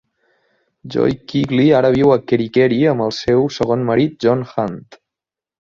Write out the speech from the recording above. Joy Quigley ara viu a Kerikeri amb el seu segon marit John Hunt.